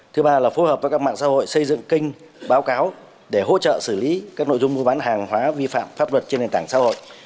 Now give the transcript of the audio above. thứ ba là phối hợp với các mạng xã hội xây dựng kinh báo cáo để hỗ trợ xử lý các nội dung mua bán hàng hóa vi phạm pháp luật trên nền tảng xã hội